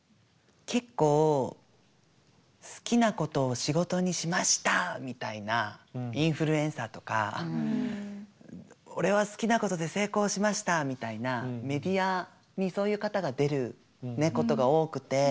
結構好きなことを仕事にしましたみたいなインフルエンサーとか俺は好きなことで成功しましたみたいなメディアにそういう方が出ることが多くて。